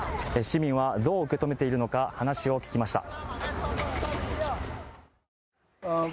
市民はどう受け止めているのか、話を聞きました。